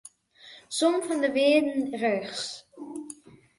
Som fan de wearden rjochts.